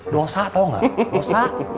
dosa tau gak dosa